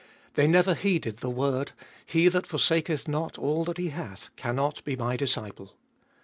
They never heeded the word: He that forsaketJi not all that he hatJi cannot be My disciple.